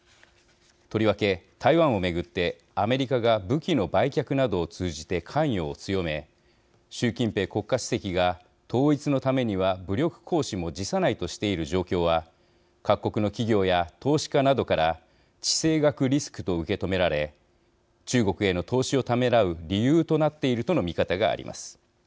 とりわけ台湾を巡ってアメリカが武器の売却などを通じて関与を強め習近平国家主席が統一のためには武力行使も辞さないとしている状況は各国の企業や投資家などから地政学リスクと受け止められ中国への投資をためらう理由となっているとの見方があります。